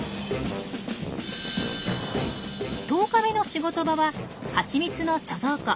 １０日目の仕事場はハチミツの貯蔵庫。